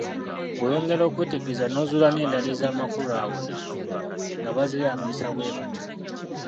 Bw'oyongera okwetegereza n'ozuula n'endala ez'amakulu ago, nga bazeeyambisa bwe batyo.